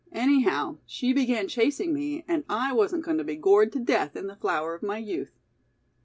Anyhow, she began chasing me and I wasn't going to be gored to death in the flower of my youth."